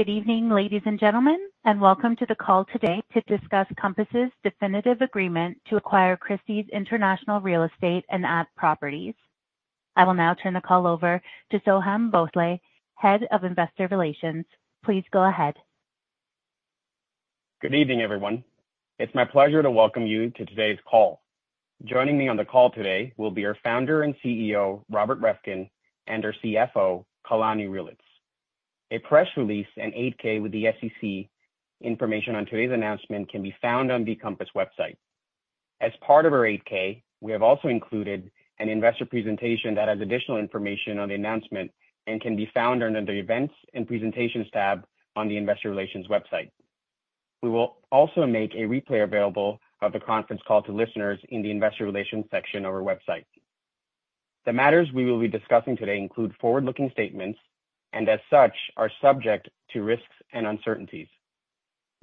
Good evening, ladies and gentlemen, and welcome to the call today to discuss Compass's definitive agreement to acquire Christie's International Real Estate and @properties. I will now turn the call over to Soham Bhonsle, Head of Investor Relations. Please go ahead. Good evening, everyone. It's my pleasure to welcome you to today's call. Joining me on the call today will be our Founder and CEO, Robert Reffkin, and our CFO, Kalani Reelitz. A press release and 8-K with the SEC information on today's announcement can be found on the Compass website. As part of our 8-K, we have also included an investor presentation that has additional information on the announcement and can be found under the Events and Presentations tab on the Investor Relations website. We will also make a replay available of the conference call to listeners in the Investor Relations section of our website. The matters we will be discussing today include forward-looking statements and, as such, are subject to risks and uncertainties.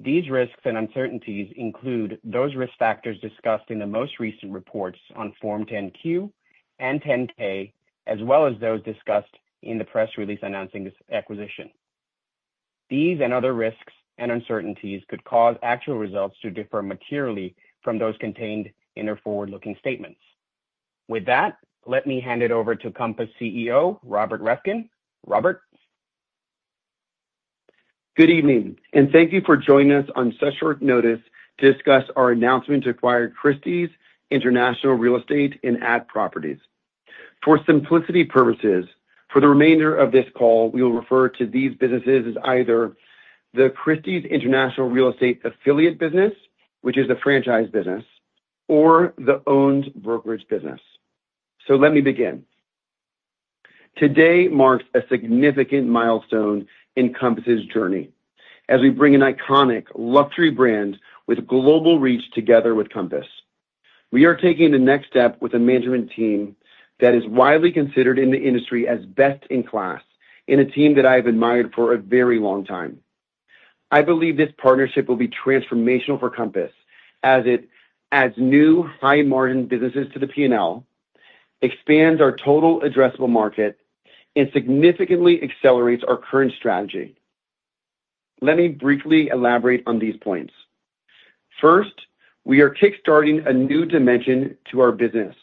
These risks and uncertainties include those risk factors discussed in the most recent reports on Form 10-Q and 10-K, as well as those discussed in the press release announcing this acquisition. These and other risks and uncertainties could cause actual results to differ materially from those contained in our forward-looking statements. With that, let me hand it over to Compass CEO, Robert Reffkin. Robert? Good evening, and thank you for joining us on such short notice to discuss our announcement to acquire Christie's International Real Estate and @properties. For simplicity purposes, for the remainder of this call, we will refer to these businesses as either the Christie's International Real Estate Affiliate business, which is a franchise business, or the owned brokerage business. So let me begin. Today marks a significant milestone in Compass's journey as we bring an iconic luxury brand with global reach together with Compass. We are taking the next step with a management team that is widely considered in the industry as best in class, and a team that I have admired for a very long time. I believe this partnership will be transformational for Compass as it adds new high-margin businesses to the P&L, expands our total addressable market, and significantly accelerates our current strategy. Let me briefly elaborate on these points. First, we are kick-starting a new dimension to our business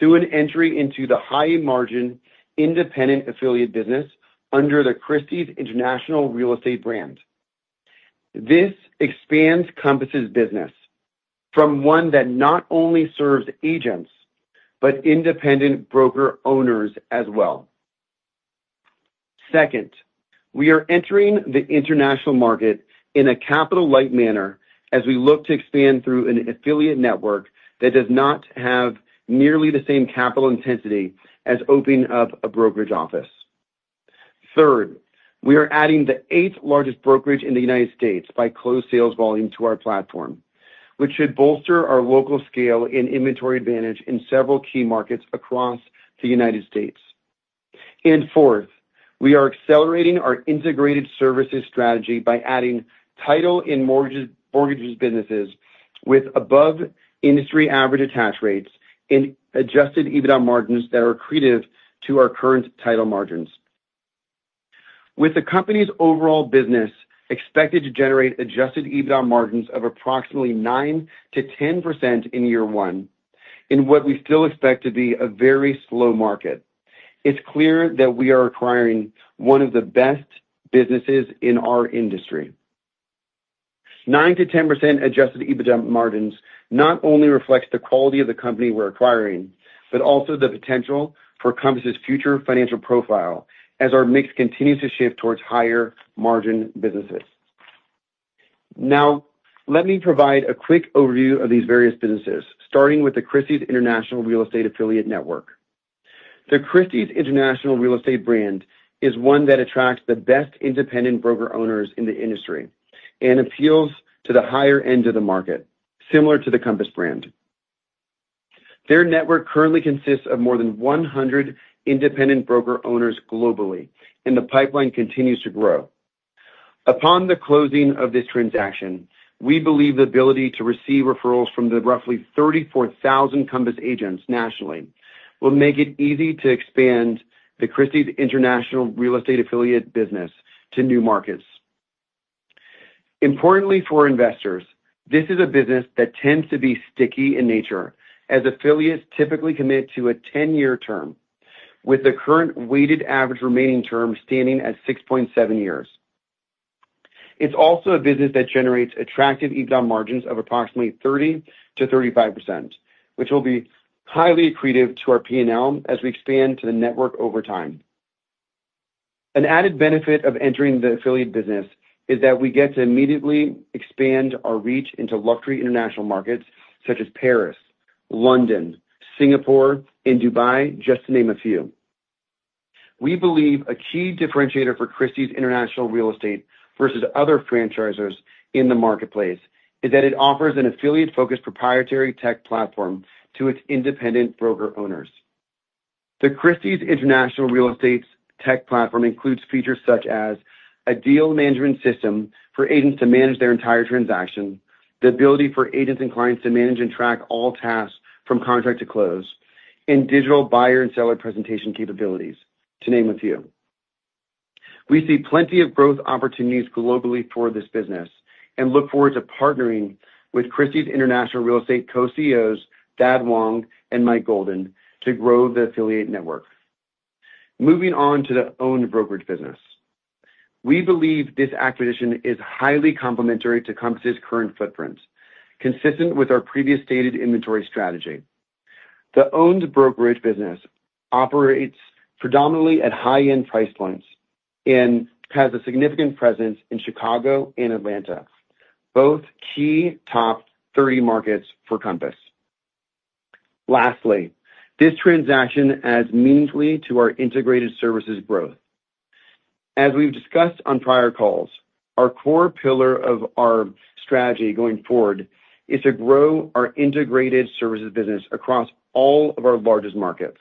through an entry into the high-margin independent Affiliate business under the Christie's International Real Estate brand. This expands Compass's business from one that not only serves agents but independent broker owners as well. Second, we are entering the international market in a capital-light manner as we look to expand through Affiliate Network that does not have nearly the same capital intensity as opening up a brokerage office. Third, we are adding the eighth-largest brokerage in the United States by closed sales volume to our platform, which should bolster our local scale and inventory advantage in several key markets across the United States. And fourth, we are accelerating our integrated services strategy by adding title and mortgages businesses with above-industry average attach rates and Adjusted EBITDA margins that are accretive to our current title margins. With the company's overall business expected to generate Adjusted EBITDA margins of approximately 9%-10% in year one, in what we still expect to be a very slow market, it's clear that we are acquiring one of the best businesses in our industry. 9%-10% Adjusted EBITDA margins not only reflects the quality of the company we're acquiring but also the potential for Compass's future financial profile as our mix continues to shift towards higher-margin businesses. Now, let me provide a quick overview of these various businesses, starting with the Christie's International Real Estate Affiliate Network. The Christie's International Real Estate brand is one that attracts the best independent broker owners in the industry and appeals to the higher end of the market, similar to the Compass brand. Their network currently consists of more than 100 independent broker owners globally, and the pipeline continues to grow. Upon the closing of this transaction, we believe the ability to receive referrals from the roughly 34,000 Compass agents nationally will make it easy to expand the Christie's International Real Estate Affiliate business to new markets. Importantly for investors, this is a business that tends to be sticky in nature as affiliates typically commit to a 10-year term, with the current weighted average remaining term standing at 6.7 years. It's also a business that generates attractive EBITDA margins of approximately 30%-35%, which will be highly accretive to our P&L as we expand to the network over time. An added benefit of entering the Affiliate business is that we get to immediately expand our reach into luxury international markets such as Paris, London, Singapore, and Dubai, just to name a few. We believe a key differentiator for Christie's International Real Estate versus other franchisors in the marketplace is that it offers an affiliate-focused proprietary tech platform to its independent broker owners. The Christie's International Real Estate's tech platform includes features such as a Deal Management System for agents to manage their entire transaction, the ability for agents and clients to manage and track all tasks from contract to close, and digital buyer and seller presentation capabilities, to name a few. We see plenty of growth opportunities globally for this business and look forward to partnering with Christie's International Real Estate Co-CEOs, Thad Wong and Mike Golden, to grow the Affiliate Network. Moving on to the owned brokerage business, we believe this acquisition is highly complementary to Compass's current footprint, consistent with our previous stated inventory strategy. The owned brokerage business operates predominantly at high-end price points and has a significant presence in Chicago and Atlanta, both key top 30 markets for Compass. Lastly, this transaction adds meaningfully to our integrated services growth. As we've discussed on prior calls, our core pillar of our strategy going forward is to grow our integrated services business across all of our largest markets.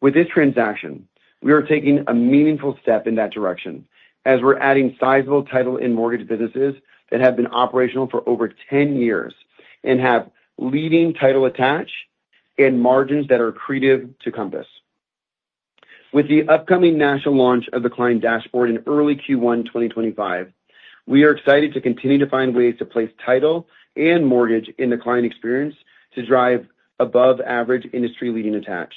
With this transaction, we are taking a meaningful step in that direction as we're adding sizable title and mortgage businesses that have been operational for over 10 years and have leading title attach and margins that are accretive to Compass. With the upcoming national launch of the Client Dashboard in early Q1 2025, we are excited to continue to find ways to place title and mortgage in the client experience to drive above-average industry-leading attach.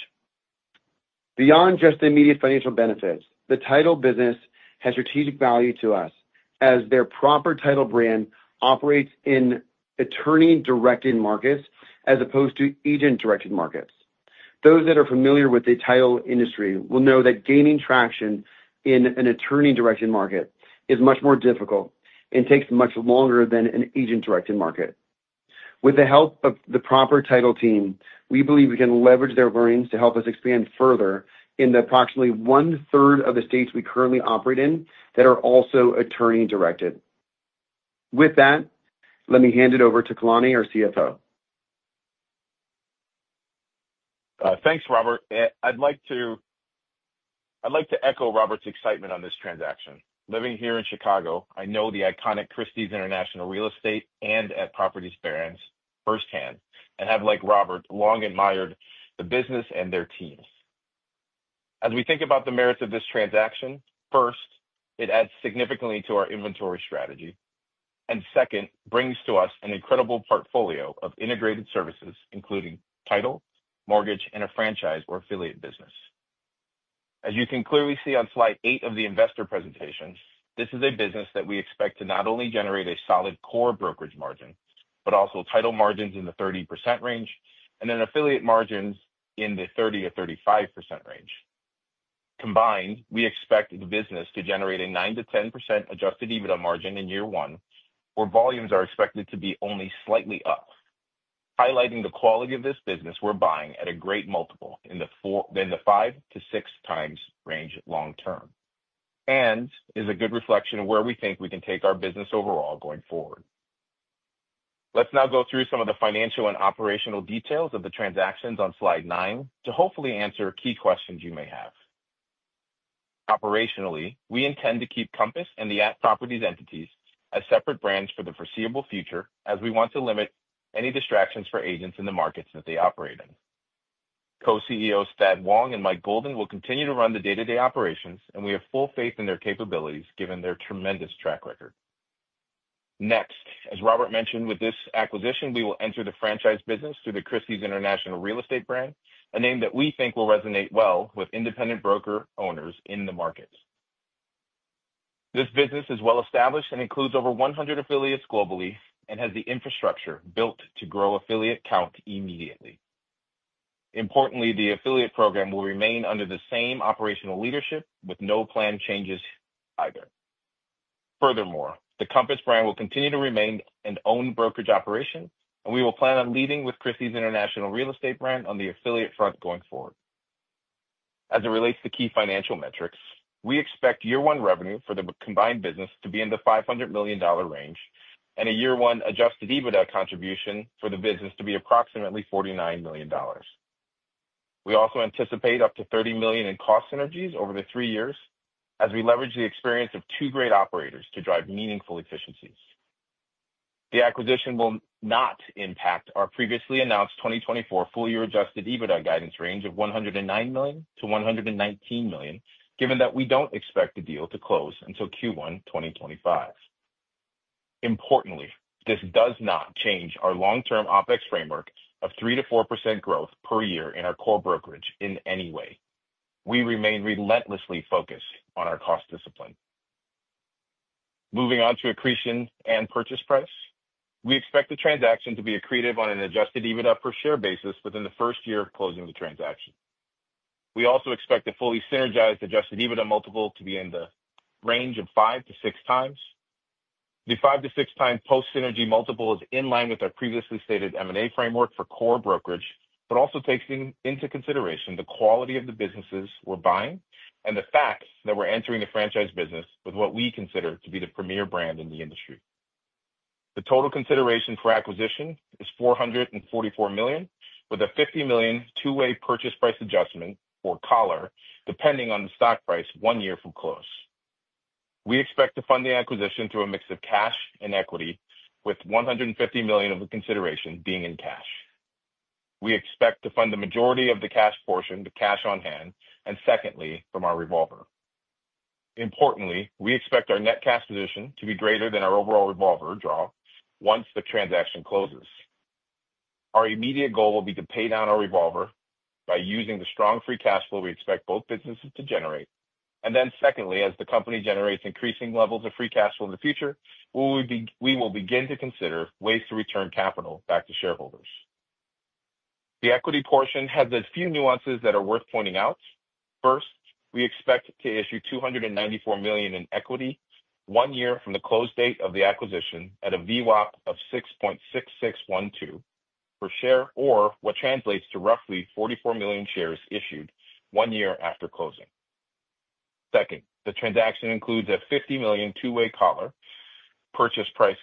Beyond just the immediate financial benefits, the title business has strategic value to us as their Proper Title brand operates in attorney-directed markets as opposed to agent-directed markets. Those that are familiar with the title industry will know that gaining traction in an attorney-directed market is much more difficult and takes much longer than an agent-directed market. With the help of the Proper Title team, we believe we can leverage their learnings to help us expand further in the approximately one-third of the states we currently operate in that are also attorney-directed. With that, let me hand it over to Kalani, our CFO. Thanks, Robert. I'd like to echo Robert's excitement on this transaction. Living here in Chicago, I know the iconic Christie's International Real Estate and @properties brands firsthand and have, like Robert, long admired the business and their teams. As we think about the merits of this transaction, first, it adds significantly to our inventory strategy, and second, brings to us an incredible portfolio of integrated services, including title, mortgage, and a franchise or Affiliate business. As you can clearly see on slide eight of the investor presentation, this is a business that we expect to not only generate a solid core brokerage margin but also title margins in the 30% range and then affiliate margins in the 30% or 35% range. Combined, we expect the business to generate a 9%-10% Adjusted EBITDA margin in year one, where volumes are expected to be only slightly up, highlighting the quality of this business we're buying at a great multiple in the 5x-6x range long-term, and is a good reflection of where we think we can take our business overall going forward. Let's now go through some of the financial and operational details of the transactions on slide 9 to hopefully answer key questions you may have. Operationally, we intend to keep Compass and the @properties entities as separate brands for the foreseeable future as we want to limit any distractions for agents in the markets that they operate in. Co-CEOs Thad Wong and Mike Golden will continue to run the day-to-day operations, and we have full faith in their capabilities given their tremendous track record. Next, as Robert mentioned, with this acquisition, we will enter the franchise business through the Christie's International Real Estate brand, a name that we think will resonate well with independent broker owners in the markets. This business is well-established and includes over 100 affiliates globally and has the infrastructure built to grow affiliate count immediately. Importantly, the affiliate program will remain under the same operational leadership with no planned changes either. Furthermore, the Compass brand will continue to remain an owned brokerage operation, and we will plan on leading with Christie's International Real Estate brand on the affiliate front going forward. As it relates to key financial metrics, we expect year-one revenue for the combined business to be in the $500 million range and a year-one Adjusted EBITDA contribution for the business to be approximately $49 million. We also anticipate up to $30 million in cost synergies over the three years as we leverage the experience of two great operators to drive meaningful efficiencies. The acquisition will not impact our previously announced 2024 full-year Adjusted EBITDA guidance range of $109 million-$119 million, given that we don't expect the deal to close until Q1 2025. Importantly, this does not change our long-term OpEx framework of 3%-4% growth per year in our core brokerage in any way. We remain relentlessly focused on our cost discipline. Moving on to accretion and purchase price, we expect the transaction to be accretive on an Adjusted EBITDA per share basis within the first year of closing the transaction. We also expect a fully synergized Adjusted EBITDA multiple to be in the range of 5x-6x. The 5x-6x post-synergy multiple is in line with our previously stated M&A framework for core brokerage, but also takes into consideration the quality of the businesses we're buying and the fact that we're entering the franchise business with what we consider to be the premier brand in the industry. The total consideration for acquisition is $444 million, with a $50 million two-way purchase price adjustment or collar, depending on the stock price one year from close. We expect to fund the acquisition through a mix of cash and equity, with $150 million of the consideration being in cash. We expect to fund the majority of the cash portion to cash on hand and, secondly, from our revolver. Importantly, we expect our net cash position to be greater than our overall revolver draw once the transaction closes. Our immediate goal will be to pay down our revolver by using the strong free cash flow we expect both businesses to generate, and then, secondly, as the company generates increasing levels of free cash flow in the future, we will begin to consider ways to return capital back to shareholders. The equity portion has a few nuances that are worth pointing out. First, we expect to issue $294 million in equity one year from the close date of the acquisition at a VWAP of 6.6612 per share, or what translates to roughly 44 million shares issued one year after closing. Second, the transaction includes a $50 million two-way collar purchase price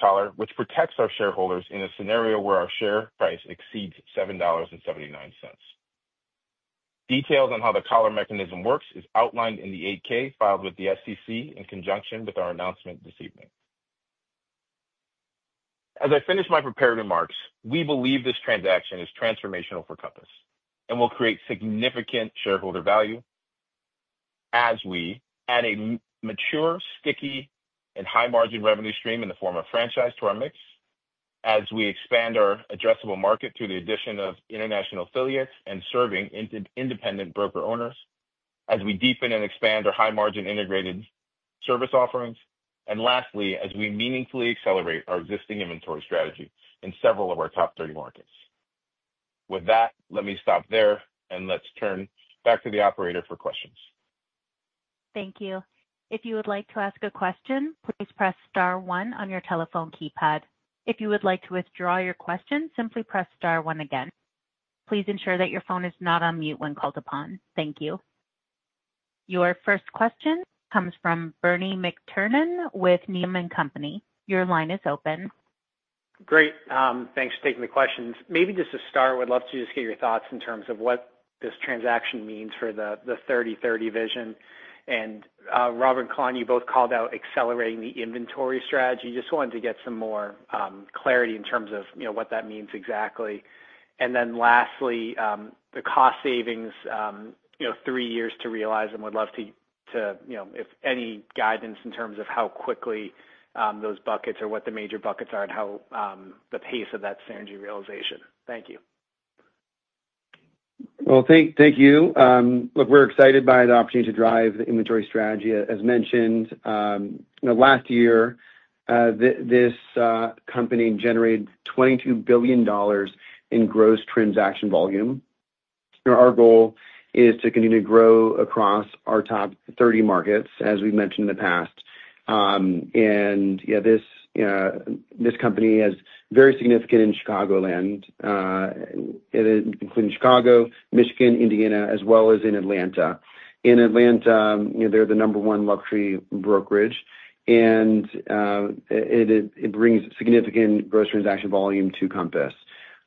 collar, which protects our shareholders in a scenario where our share price exceeds $7.79. Details on how the collar mechanism works are outlined in the 8-K filed with the SEC in conjunction with our announcement this evening. As I finish my prepared remarks, we believe this transaction is transformational for Compass and will create significant shareholder value as we add a mature, sticky, and high-margin revenue stream in the form of franchise to our mix, as we expand our addressable market through the addition of international affiliates and serving independent broker owners, as we deepen and expand our high-margin integrated service offerings, and lastly, as we meaningfully accelerate our existing inventory strategy in several of our top 30 markets. With that, let me stop there, and let's turn back to the operator for questions. Thank you. If you would like to ask a question, please press star one on your telephone keypad. If you would like to withdraw your question, simply press star one again. Please ensure that your phone is not on mute when called upon. Thank you. Your first question comes from Bernie McTernan with Needham & Company. Your line is open. Great. Thanks for taking the questions. Maybe just to start, I would love to just get your thoughts in terms of what this transaction means for the 30/30 vision. And Robert and Kalani, you both called out accelerating the inventory strategy. Just wanted to get some more clarity in terms of what that means exactly. And then lastly, the cost savings, three years to realize them. Would love to, if any, guidance in terms of how quickly those buckets or what the major buckets are and the pace of that synergy realization. Thank you. Thank you. Look, we're excited by the opportunity to drive the inventory strategy. As mentioned, last year, this company generated $22 billion in gross transaction volume. Our goal is to continue to grow across our top 30 markets, as we've mentioned in the past. This company has very significant in Chicagoland, including Chicago, Michigan, Indiana, as well as in Atlanta. In Atlanta, they're the number one luxury brokerage, and it brings significant gross transaction volume to Compass.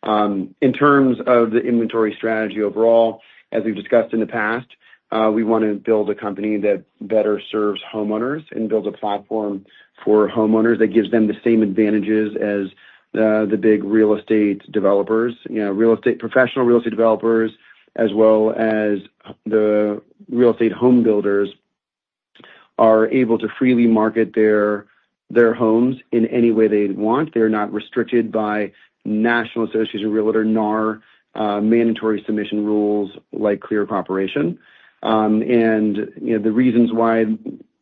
In terms of the inventory strategy overall, as we've discussed in the past, we want to build a company that better serves homeowners and build a platform for homeowners that gives them the same advantages as the big real estate developers. Real estate professional, real estate developers, as well as the real estate home builders, are able to freely market their homes in any way they want. They're not restricted by National Association of Realtors, NAR, mandatory submission rules like Clear Cooperation, and the reasons why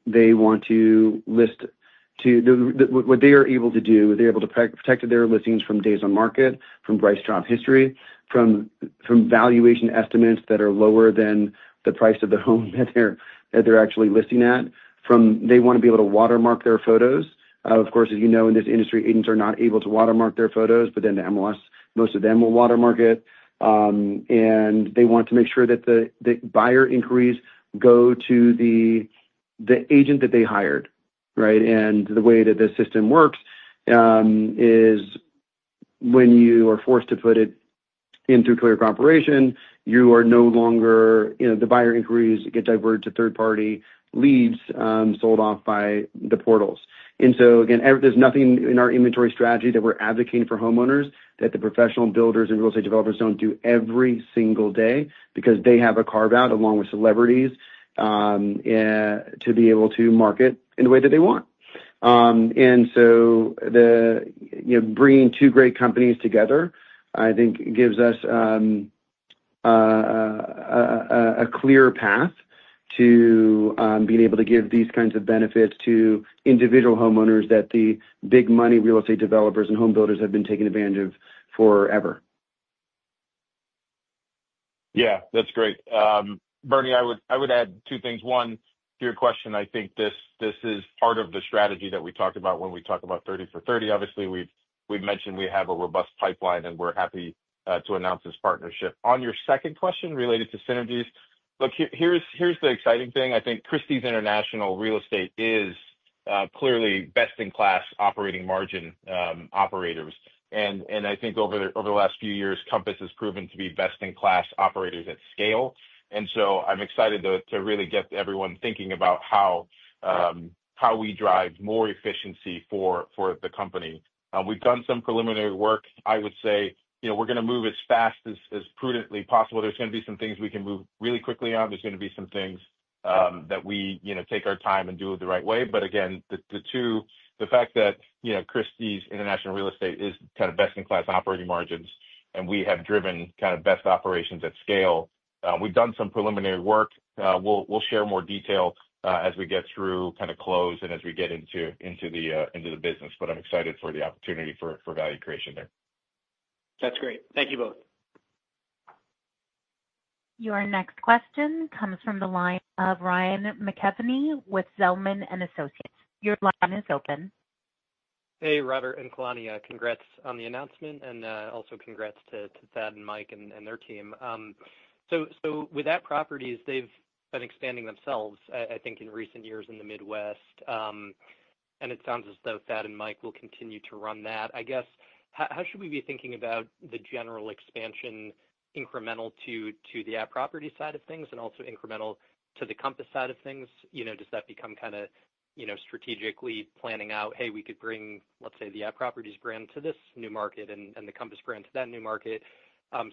they want to list to what they are able to do, they're able to protect their listings from days on market, from price drop history, from valuation estimates that are lower than the price of the home that they're actually listing at. They want to be able to watermark their photos. Of course, as you know, in this industry, agents are not able to watermark their photos, but then the MLS, most of them will watermark it, and they want to make sure that the buyer inquiries go to the agent that they hired, right? And the way that the system works is when you are forced to put it into Clear Cooperation, you are no longer the buyer inquiries get diverted to third-party leads sold off by the portals. And so, again, there's nothing in our inventory strategy that we're advocating for homeowners that the professional builders and real estate developers don't do every single day because they have a carve-out along with celebrities to be able to market in the way that they want. And so bringing two great companies together, I think, gives us a clear path to being able to give these kinds of benefits to individual homeowners that the big money real estate developers and home builders have been taking advantage of forever. Yeah, that's great. Bernie, I would add two things. One, to your question, I think this is part of the strategy that we talked about when we talked about 30 for 30. Obviously, we've mentioned we have a robust pipeline, and we're happy to announce this partnership. On your second question related to synergies, look, here's the exciting thing. I think Christie's International Real Estate is clearly best-in-class operating margin operators. And I think over the last few years, Compass has proven to be best-in-class operators at scale. And so I'm excited to really get everyone thinking about how we drive more efficiency for the company. We've done some preliminary work. I would say we're going to move as fast as prudently possible. There's going to be some things we can move really quickly on. There's going to be some things that we take our time and do it the right way. But again, the two, the fact that Christie's International Real Estate is kind of best-in-class operating margins, and we have driven kind of best operations at scale. We've done some preliminary work. We'll share more detail as we get through kind of close and as we get into the business, but I'm excited for the opportunity for value creation there. That's great. Thank you both. Your next question comes from the line of Ryan McKeveny with Zelman & Associates. Your line is open. Hey, Robert and Kalani, congrats on the announcement, and also congrats to Thad and Mike and their team. So with @properties, they've been expanding themselves, I think, in recent years in the Midwest, and it sounds as though Thad and Mike will continue to run that. I guess, how should we be thinking about the general expansion incremental to the @properties side of things and also incremental to the Compass side of things? Does that become kind of strategically planning out, "Hey, we could bring, let's say, the @properties brand to this new market and the Compass brand to that new market"?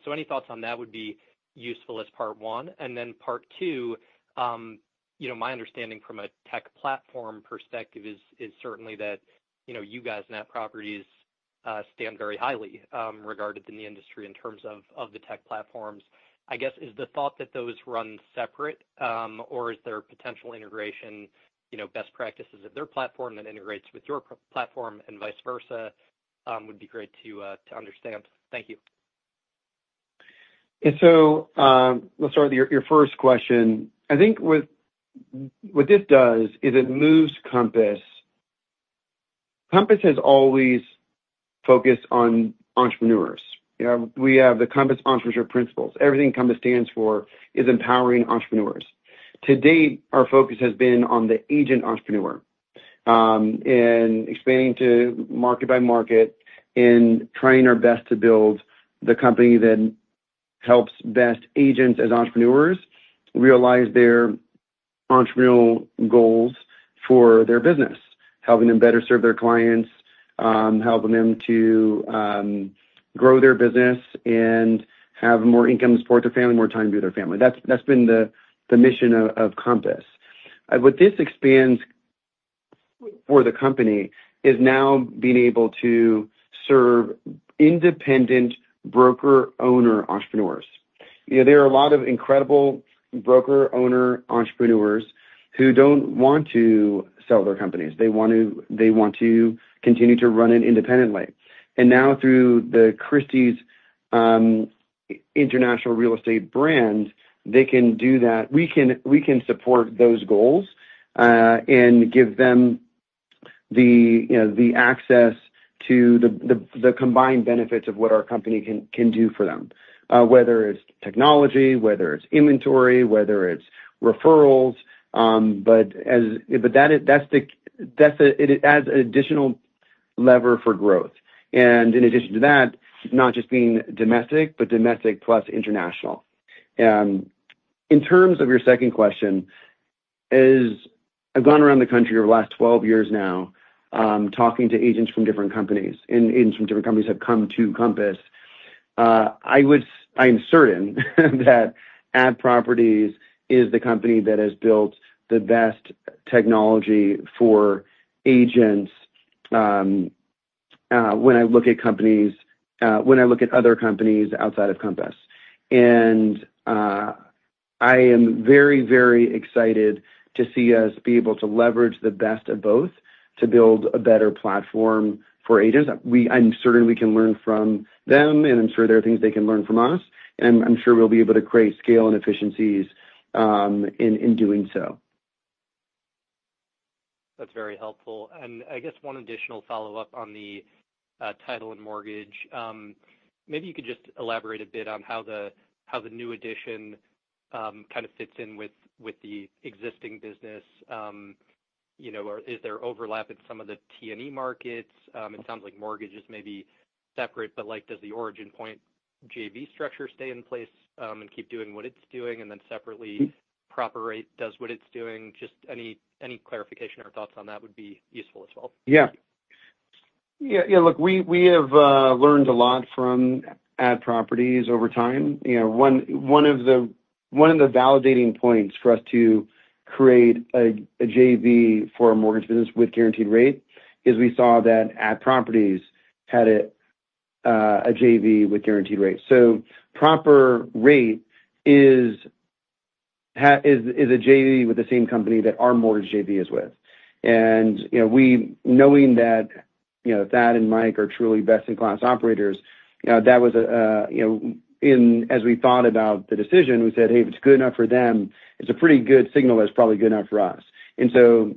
So any thoughts on that would be useful as part one. And then part two, my understanding from a tech platform perspective is certainly that you guys and @properties stand very highly regarded in the industry in terms of the tech platforms. I guess, is the thought that those run separate, or is there potential integration best practices of their platform that integrates with your platform and vice versa? Would be great to understand. Thank you. Let's start with your first question. I think what this does is it moves Compass. Compass has always focused on entrepreneurs. We have the Compass Entrepreneurship Principles. Everything Compass stands for is empowering entrepreneurs. To date, our focus has been on the agent entrepreneur and expanding to market by market and trying our best to build the company that helps best agents as entrepreneurs realize their entrepreneurial goals for their business, helping them better serve their clients, helping them to grow their business and have more income to support their family, more time to be with their family. That's been the mission of Compass. What this expands for the company is now being able to serve independent broker-owner entrepreneurs. There are a lot of incredible broker-owner entrepreneurs who don't want to sell their companies. They want to continue to run it independently. And now, through the Christie's International Real Estate brand, they can do that. We can support those goals and give them the access to the combined benefits of what our company can do for them, whether it's technology, whether it's inventory, whether it's referrals. But that's an additional lever for growth. And in addition to that, not just being domestic, but domestic plus international. In terms of your second question, I've gone around the country over the last 12 years now talking to agents from different companies, and agents from different companies have come to Compass. I am certain that @properties is the company that has built the best technology for agents when I look at companies when I look at other companies outside of Compass. I am very, very excited to see us be able to leverage the best of both to build a better platform for agents. I'm certain we can learn from them, and I'm sure there are things they can learn from us. I'm sure we'll be able to create scale and efficiencies in doing so. That's very helpful. And I guess one additional follow-up on the title and mortgage. Maybe you could just elaborate a bit on how the new addition kind of fits in with the existing business. Is there overlap in some of the T&E markets? It sounds like mortgage is maybe separate, but does the OriginPoint JV structure stay in place and keep doing what it's doing? And then separately, Proper Rate does what it's doing? Just any clarification or thoughts on that would be useful as well. Yeah. Yeah. Look, we have learned a lot from @properties over time. One of the validating points for us to create a JV for a mortgage business with Guaranteed Rate is we saw that @properties had a JV with Guaranteed Rate. So Proper Rate is a JV with the same company that our mortgage JV is with. And knowing that Thad and Mike are truly best-in-class operators, that was—and as we thought about the decision, we said, "Hey, if it's good enough for them, it's a pretty good signal that it's probably good enough for us." And so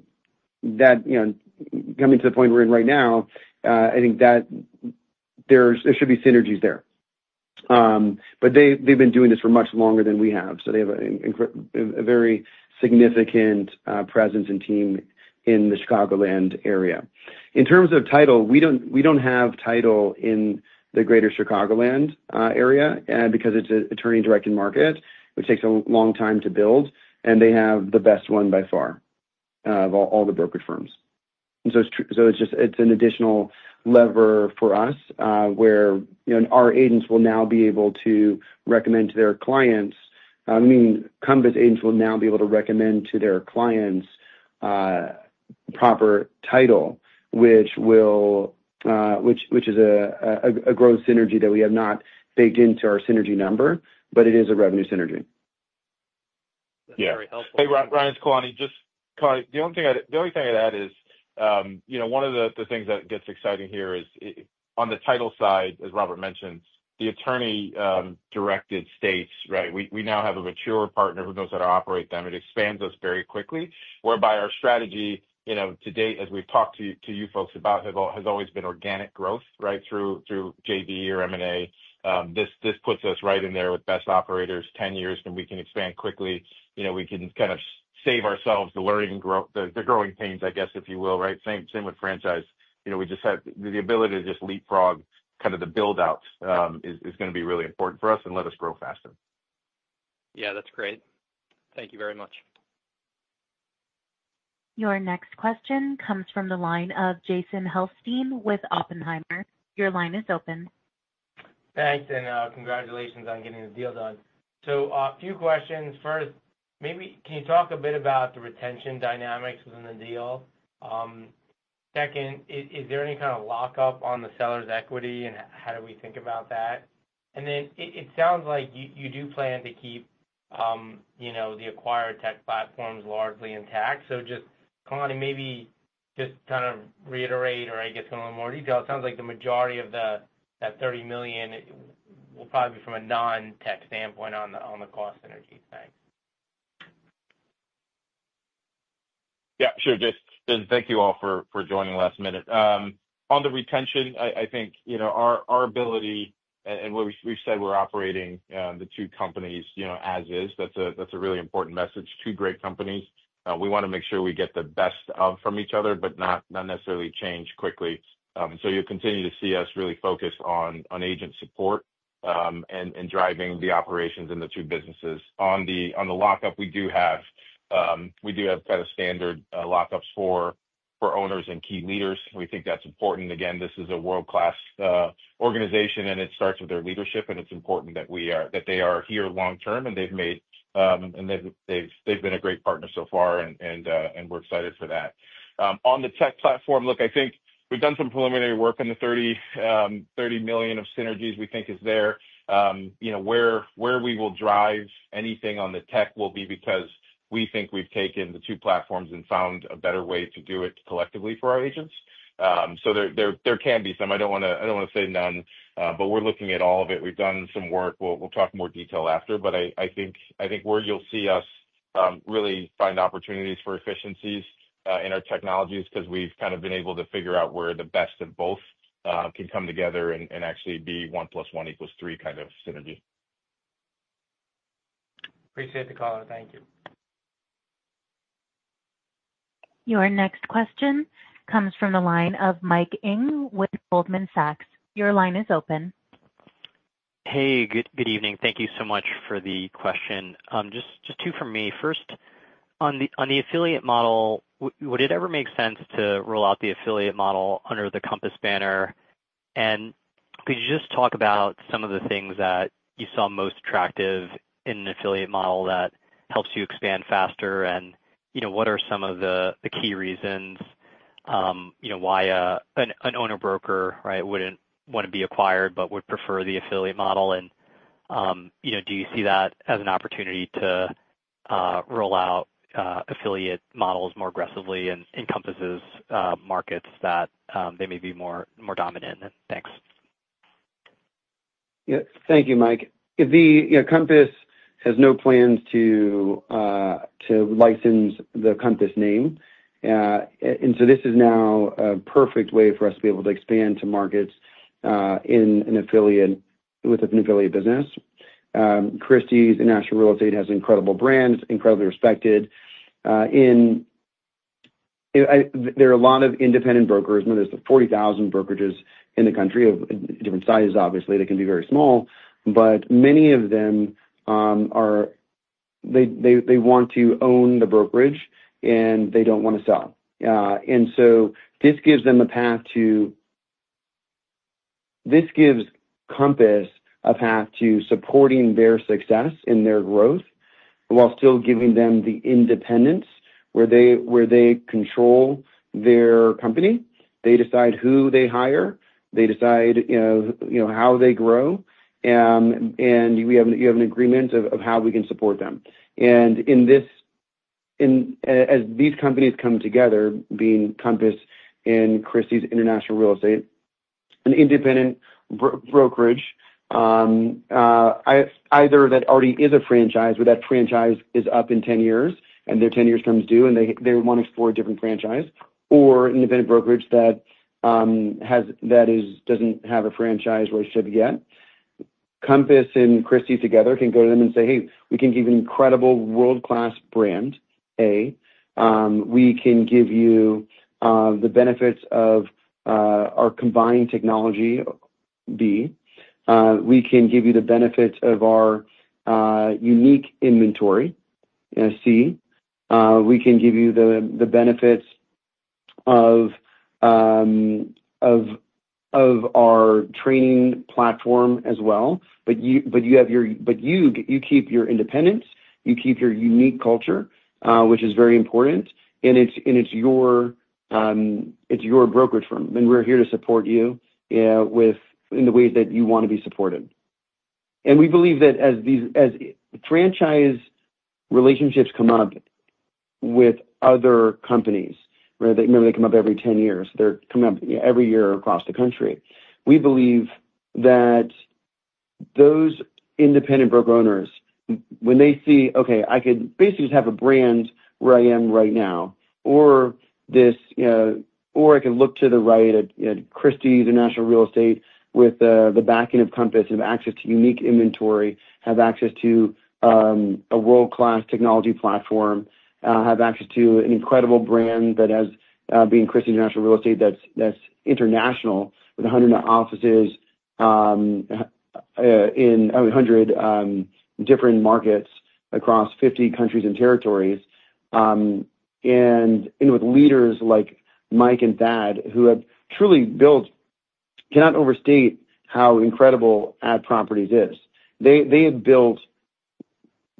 coming to the point we're in right now, I think there should be synergies there. But they've been doing this for much longer than we have, so they have a very significant presence and team in the Chicagoland area. In terms of title, we don't have title in the greater Chicagoland area because it's an attorney-directed market, which takes a long time to build, and they have the best one by far of all the brokerage firms, and so it's an additional lever for us where our agents will now be able to recommend to their clients, I mean, Compass agents will now be able to recommend to their clients Proper Title, which is a growth synergy that we have not baked into our synergy number, but it is a revenue synergy. Hey, Ryan and Kalani, just the only thing I'd add is one of the things that gets exciting here is on the title side, as Robert mentioned, the attorney-directed states, right? We now have a mature partner who knows how to operate them. It expands us very quickly, whereby our strategy to date, as we've talked to you folks about, has always been organic growth, right, through JV or M&A. This puts us right in there with best operators, 10 years, and we can expand quickly. We can kind of save ourselves the growing pains, I guess, if you will, right? Same with franchise. We just have the ability to just leapfrog kind of the build-out is going to be really important for us and let us grow faster. Yeah, that's great. Thank you very much. Your next question comes from the line of Jason Helfstein with Oppenheimer. Your line is open. Thanks, and congratulations on getting the deal done. So a few questions. First, maybe can you talk a bit about the retention dynamics within the Deal? Second, is there any kind of lockup on the seller's equity, and how do we think about that? And then it sounds like you do plan to keep the acquired tech platforms largely intact. So just, Kalani maybe just kind of reiterate or, I guess, go into more detail. It sounds like the majority of that $30 million will probably be from a non-tech standpoint on the cost synergy thing. Yeah, sure. Just thank you all for joining last minute. On the retention, I think our ability and we've said we're operating the two companies as is. That's a really important message. Two great companies. We want to make sure we get the best of from each other, but not necessarily change quickly. So you'll continue to see us really focus on agent support and driving the operations in the two businesses. On the lockup, we do have kind of standard lockups for owners and key leaders. We think that's important. Again, this is a world-class organization, and it starts with their leadership, and it's important that they are here long-term, and they've made—and they've been a great partner so far, and we're excited for that. On the tech platform, look, I think we've done some preliminary work on the $30 million of synergies we think is there. Where we will drive anything on the tech will be because we think we've taken the two platforms and found a better way to do it collectively for our agents. So there can be some. I don't want to say none, but we're looking at all of it. We've done some work. We'll talk more detail after, but I think where you'll see us really find opportunities for efficiencies in our technologies because we've kind of been able to figure out where the best of both can come together and actually be 1 + 1 = 3 kind of synergy. Appreciate the call, and thank you. Your next question comes from the line of Mike Ng with Goldman Sachs. Your line is open. Hey, good evening. Thank you so much for the question. Just two from me. First, on the affiliate model, would it ever make sense to roll out the affiliate model under the Compass banner? And could you just talk about some of the things that you saw most attractive in an affiliate model that helps you expand faster? And what are some of the key reasons why an owner-broker, right, wouldn't want to be acquired but would prefer the affiliate model? And do you see that as an opportunity to roll out affiliate models more aggressively and encompass markets that they may be more dominant in? Thanks. Yeah. Thank you, Mike. Compass has no plans to license the Compass name. And so this is now a perfect way for us to be able to expand to markets with an Affiliate business. Christie's International Real Estate has an incredible brand, incredibly respected. There are a lot of independent brokers. There's 40,000 brokerages in the country of different sizes, obviously. They can be very small, but many of them are, they want to own the brokerage, and they don't want to sell. And so this gives them a path to, this gives Compass a path to supporting their success in their growth while still giving them the independence where they control their company. They decide who they hire. They decide how they grow. And you have an agreement of how we can support them. And as these companies come together, being Compass and Christie's International Real Estate, an independent brokerage, either that already is a franchise where that franchise is up in 10 years and their 10 years comes due, and they want to explore a different franchise, or an independent brokerage that doesn't have a franchise relationship yet, Compass and Christie together can go to them and say, "Hey, we can give you an incredible world-class brand, A. We can give you the benefits of our combined technology, B. We can give you the benefits of our unique inventory, C. We can give you the benefits of our training platform as well. But you have your—but you keep your independence. You keep your unique culture, which is very important. And it's your brokerage firm, and we're here to support you in the ways that you want to be supported." And we believe that as franchise relationships come up with other companies, remember they come up every 10 years. They're coming up every year across the country. We believe that those independent broker owners, when they see, "Okay, I could basically just have a brand where I am right now," or I could look to the right at Christie's International Real Estate with the backing of Compass and have access to unique inventory, have access to a world-class technology platform, have access to an incredible brand that has been Christie's International Real Estate that's international with 100 offices in 100 different markets across 50 countries and territories. And with leaders like Mike and Thad, who have truly built. Cannot overstate how incredible @properties is. They have built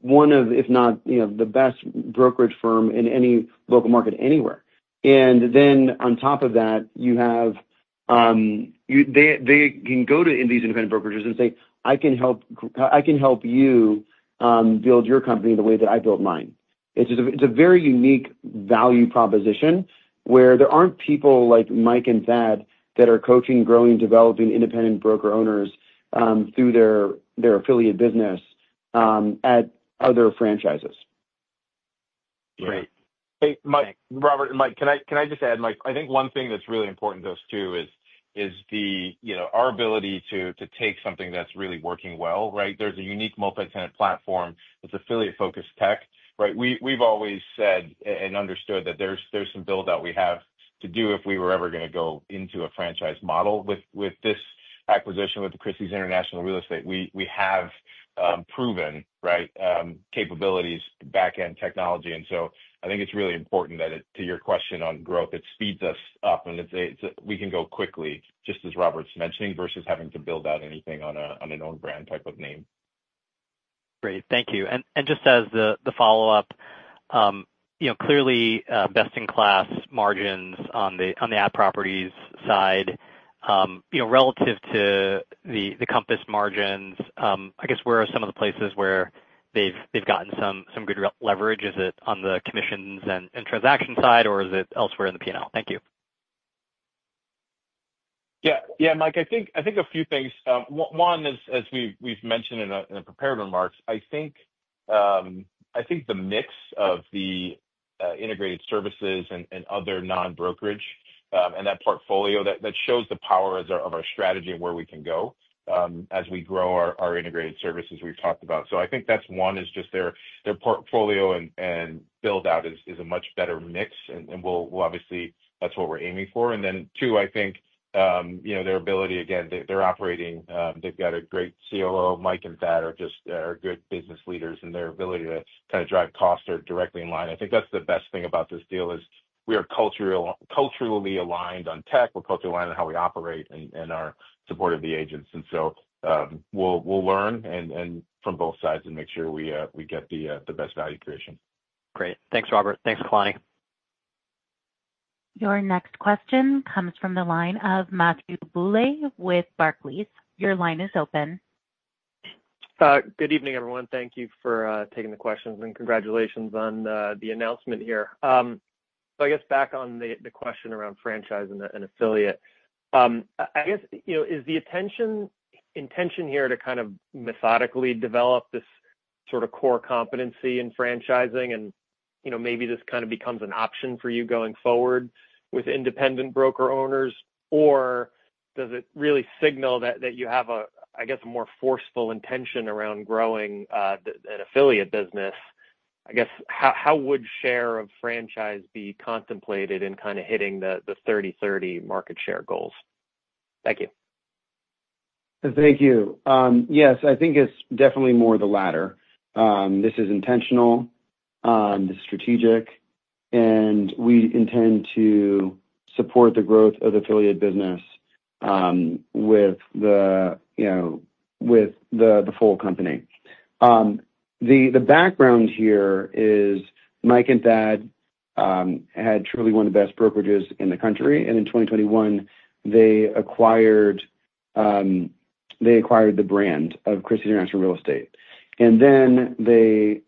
one of, if not the best brokerage firms in any local market anywhere. And then on top of that, you have—they can go to these independent brokerages and say, "I can help you build your company the way that I built mine." It's a very unique value proposition where there aren't people like Mike and Thad that are coaching, growing, developing independent broker owners through their Affiliate business at other franchises. Great. Hey, Mike. Robert and Mike, can I just add? Mike, I think one thing that's really important to us too is our ability to take something that's really working well, right? There's a unique multi-tenant platform. It's affiliate-focused tech, right? We've always said and understood that there's some build-out we have to do if we were ever going to go into a franchise model. With this acquisition with Christie's International Real Estate, we have proven, right, capabilities, backend technology. And so I think it's really important, to your question on growth, it speeds us up, and we can go quickly, just as Robert's mentioning, versus having to build out anything on our own brand type of name. Great. Thank you. And just as the follow-up, clearly best-in-class margins on the @properties side. Relative to the Compass margins, I guess where are some of the places where they've gotten some good leverage? Is it on the commissions and transaction side, or is it elsewhere in the P&L? Thank you. Yeah. Yeah, Mike, I think a few things. One, as we've mentioned in the prepared remarks, I think the mix of the integrated services and other non-brokerage and that portfolio that shows the power of our strategy and where we can go as we grow our integrated services we've talked about. So I think that's one is just their portfolio and build-out is a much better mix, and obviously, that's what we're aiming for. And then two, I think their ability, again, they're operating. They've got a great COO. Mike and Thad are just good business leaders, and their ability to kind of drive costs are directly in line. I think that's the best thing about this deal is we are culturally aligned on tech. We're culturally aligned on how we operate and are supportive of the agents. And so we'll learn from both sides and make sure we get the best value creation. Great. Thanks, Robert. Thanks, Kalani. Your next question comes from the line of Matthew Boulay with Barclays. Your line is open. Good evening, everyone. Thank you for taking the questions, and congratulations on the announcement here. So I guess back on the question around franchise and affiliate, I guess is the intention here to kind of methodically develop this sort of core competency in franchising, and maybe this kind of becomes an option for you going forward with independent broker owners, or does it really signal that you have, I guess, a more forceful intention around growing an Affiliate business? I guess how would share of franchise be contemplated in kind of hitting the 30/30 market share goals? Thank you. Thank you. Yes, I think it's definitely more the latter. This is intentional. This is strategic, and we intend to support the growth of the Affiliate business with the full company. The background here is Mike and Thad had truly one of the best brokerages in the country, and in 2021, they acquired the brand of Christie's International Real Estate, and then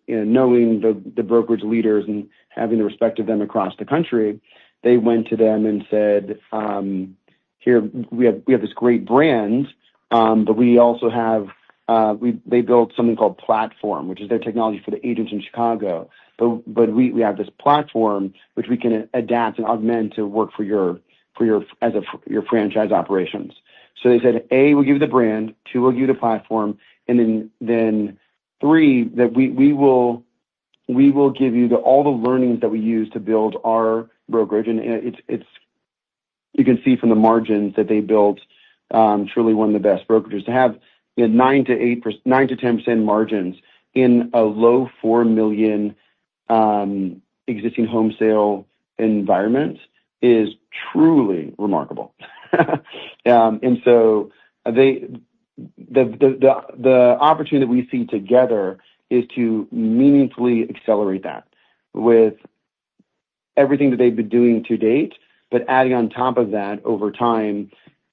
knowing the brokerage leaders and having the respect of them across the country, they went to them and said, "Here, we have this great brand, but we also have," they built something called Platform, which is their technology for the agents in Chicago. But we have this platform which we can adapt and augment to work for you as your franchise operations, so they said, "A, we'll give you the brand. Two, we'll give you the platform. And then three, we will give you all the learnings that we use to build our brokerage." And you can see from the margins that they built truly one of the best brokerages. To have 9%-10% margins in a low four million existing home sale environment is truly remarkable. And so the opportunity that we see together is to meaningfully accelerate that with everything that they've been doing to date, but adding on top of that over time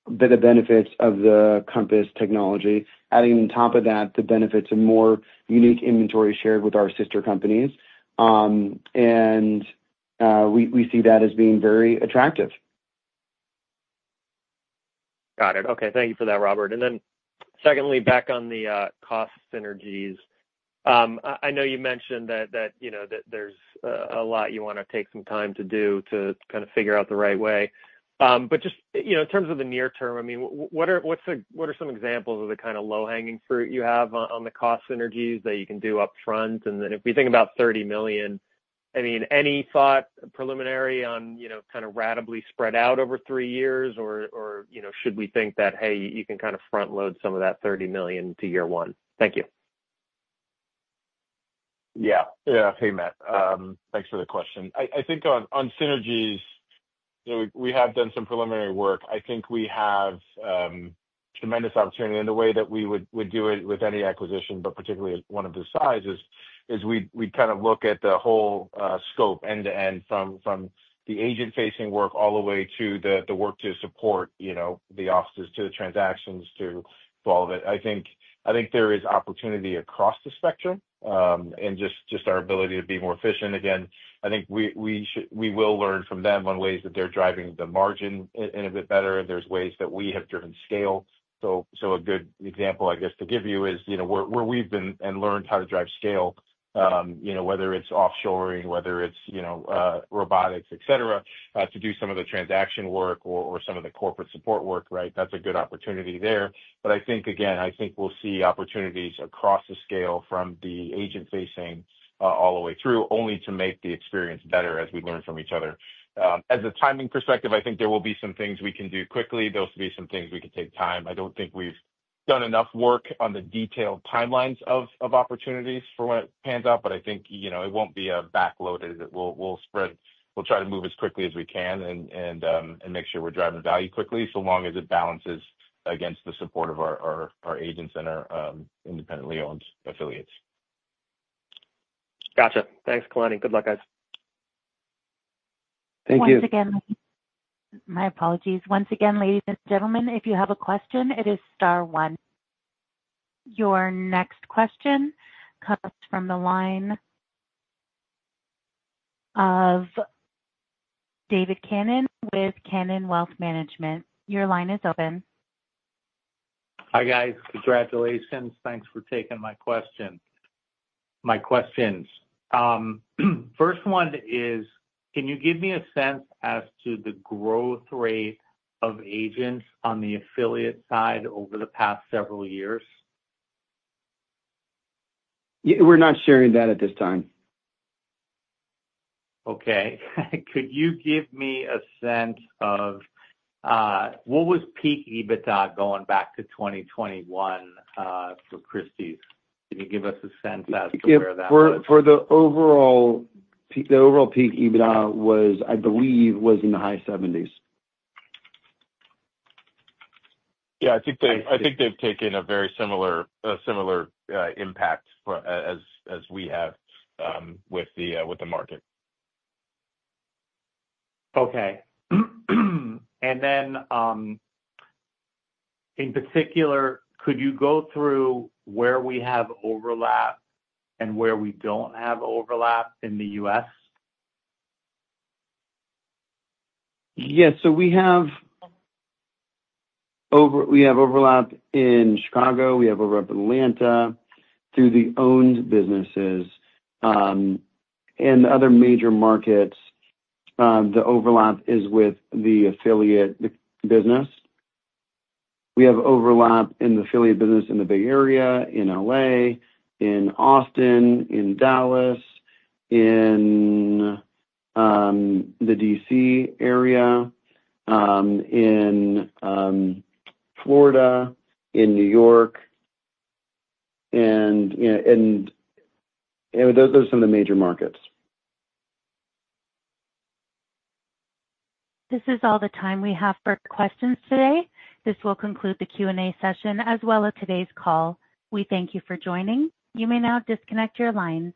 the benefits of the Compass technology, adding on top of that the benefits of more unique inventory shared with our sister companies. And we see that as being very attractive. Got it. Okay. Thank you for that, Robert. And then secondly, back on the cost synergies, I know you mentioned that there's a lot you want to take some time to do to kind of figure out the right way. But just in terms of the near term, I mean, what are some examples of the kind of low-hanging fruit you have on the cost synergies that you can do upfront? And then if we think about $30 million, I mean, any thought preliminary on kind of rationally spread out over three years, or should we think that, "Hey, you can kind of front-load some of that $30 million to year one?" Thank you. Yeah. Yeah. Hey, Matt. Thanks for the question. I think on synergies, we have done some preliminary work. I think we have tremendous opportunity. And the way that we would do it with any acquisition, but particularly one of the sizes, is we'd kind of look at the whole scope end-to-end from the agent-facing work all the way to the work to support the offices, to the transactions, to all of it. I think there is opportunity across the spectrum and just our ability to be more efficient. Again, I think we will learn from them on ways that they're driving the margin in a bit better. There's ways that we have driven scale. So a good example, I guess, to give you is where we've been and learned how to drive scale, whether it's offshoring, whether it's robotics, etc., to do some of the transaction work or some of the corporate support work, right? That's a good opportunity there. But I think, again, I think we'll see opportunities across the scale from the agent-facing all the way through, only to make the experience better as we learn from each other. As a timing perspective, I think there will be some things we can do quickly. There'll be some things we can take time. I don't think we've done enough work on the detailed timelines of opportunities for when it pans out, but I think it won't be backloaded. We'll try to move as quickly as we can and make sure we're driving value quickly so long as it balances against the support of our agents and our independently owned affiliates. Gotcha. Thanks, Kalani. Good luck, guys. Thank you. Once again, my apologies. Once again, ladies and gentlemen, if you have a question, it is star one. Your next question comes from the line of David Cannon with Cannon Wealth Management. Your line is open. Hi, guys. Congratulations. Thanks for taking my questions. First one is, can you give me a sense as to the growth rate of agents on the affiliate side over the past several years? We're not sharing that at this time. Okay. Could you give me a sense of what was peak EBITDA going back to 2021 for Christie's? Can you give us a sense as to where that was? For the overall peak EBITDA, I believe, was in the high 70s. Yeah. I think they've taken a very similar impact as we have with the market. Okay, and then in particular, could you go through where we have overlap and where we don't have overlap in the U.S.? Yeah, so we have overlap in Chicago. We have overlap in Atlanta through the owned businesses. In other major markets, the overlap is with the Affiliate business. We have overlap in the Affiliate business in the Bay Area, in L.A., in Austin, in Dallas, in the D.C. area, in Florida, in New York, and those are some of the major markets. This is all the time we have for questions today. This will conclude the Q&A session as well as today's call. We thank you for joining. You may now disconnect your line.